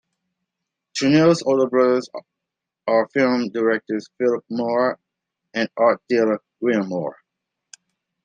Tiriel's older brothers are film director Philippe Mora and art dealer William Mora.